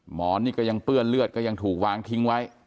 หมอนนี่ก็ยังเปื้อนเลือดก็ยังถูกวางทิ้งไว้